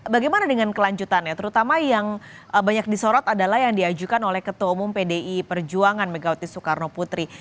bagaimana dengan kelanjutannya terutama yang banyak disorot adalah yang diajukan oleh ketua umum pdi perjuangan megawati soekarno putri